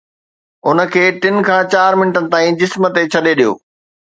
ان کي ٽن کان چار منٽن تائين جسم تي ڇڏي ڏيو